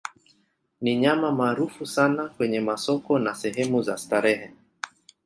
Ni nyama maarufu sana kwenye masoko na sehemu za starehe.